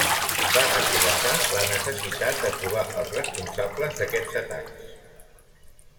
Va expressar la necessitat de trobar els responsables d'aquests atacs.